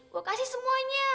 gue kasih semuanya